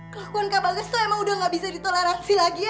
kelakuan kak bagas tuh emang udah gak bisa ditoleransi lagi ya